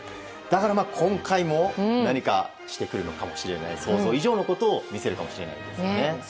今回も何かしてくるのかもしれない想像以上のことを見せるかもしれないと。